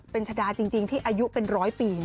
เป็นชะดาจริงที่อายุเป็นร้อยปี